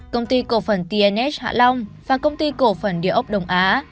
công ty cổ phần tnh hạ long và công ty cổ phần điều ốc đông á